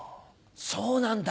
そうなんだ。